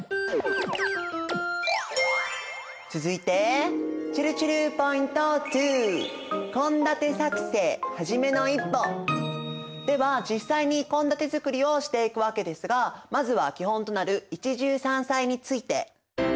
続いてちぇるちぇるポイント２！では実際に献立づくりをしていくわけですがまずは基本となる一汁三菜について。